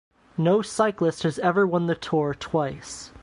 No cyclist has ever won the Tour twice.